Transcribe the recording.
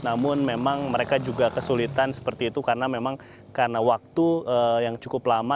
namun memang mereka juga kesulitan seperti itu karena memang karena waktu yang cukup lama